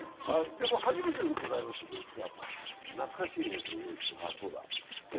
でも初めてでございますので、内川さん、懐かしい映像を用意しています。